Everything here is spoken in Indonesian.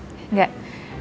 ya begitu kayak tadi